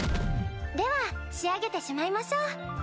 では仕上げてしまいましょう。